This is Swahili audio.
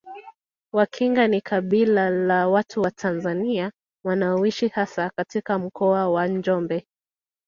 Wakinga ni kabila la watu wa Tanzania wanaoishi hasa katika Mkoa wa Njombe